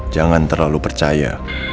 jangan terlalu percaya